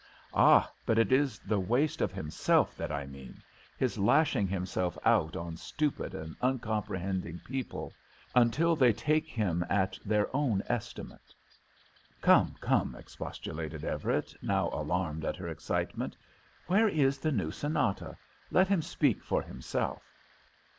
"Ah, but it is the waste of himself that I mean; his lashing himself out on stupid and uncomprehending people until they take him at their own estimate." "Come, come," expostulated Everett, now alarmed at her excitement. "Where is the new sonata? Let him speak for himself."